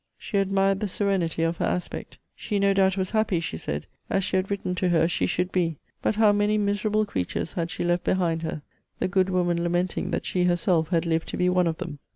She admired the serenity of her aspect. She no doubt was happy, she said, as she had written to her she should be; but how many miserable creatures had she left behind her! The good woman lamenting that she herself had lived to be one of them.